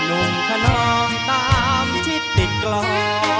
ให้หนุ่มขนองตามที่ติดกลอง